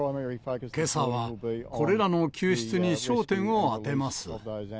けさはこれらの救出に焦点を当てます。